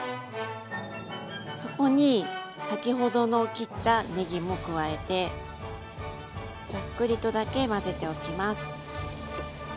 そこに先ほどの切ったねぎも加えてざっくりとだけ混ぜておきます。